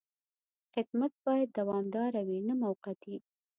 خدمت باید دوامداره وي، نه موقتي.